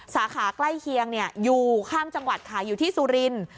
สาขาใกล้เคียงอยู่ข้ามจังหวัดค่ะอยู่ที่สุรินทร์